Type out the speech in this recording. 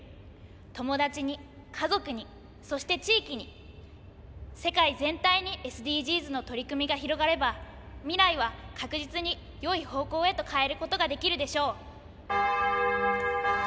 友達に家族にそして地域に世界全体にＳＤＧｓの取り組みが広がれば未来は確実によい方向へと変えることができるでしょう。